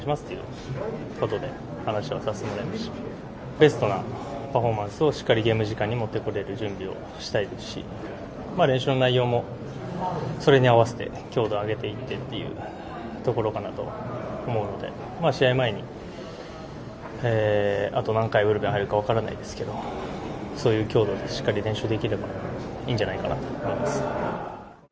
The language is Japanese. ベストなパフォーマンスをしっかり試合前にとれるようにしたいですし、練習の内容も、それに合わせて強度を上げていってというところかなと思うので、試合前にあと何回ブルペンに入るか分からないですけど、そういう強度でしっかり練習できるようにできればいいんじゃないかと思います。